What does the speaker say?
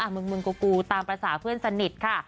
มึงมึงกูตามภาษาเพื่อนสนิทค่ะ